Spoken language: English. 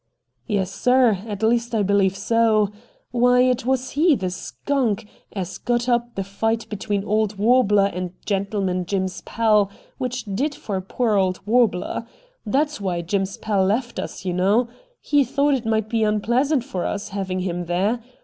' Yes, sir. At least I believe so. Why it was he, the skunk, as got up the fight between old Warbler and Gentleman Jim's pal, which did for poor old Warbler. That's why Jim's pal left us, you know. He thought it might be onpleasant for us, having him there.